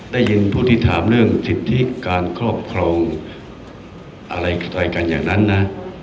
ได้ยินผู้ที่ถามเรื่องสิทธิการครอบครองอะไรต่อยกันอย่างนั้นนะ